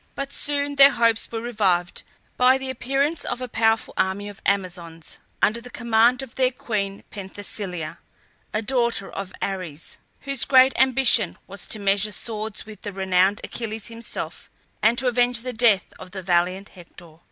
But soon their hopes were revived by the appearance of a powerful army of Amazons under the command of their queen Penthesilea, a daughter of Ares, whose great ambition was to measure swords with the renowned Achilles himself, and to avenge the death of the valiant Hector.